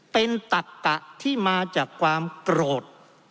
เป็นตักกะที่มาจากความโกรธ